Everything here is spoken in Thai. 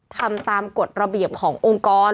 ทำตามกฎระเบียบขององค์กร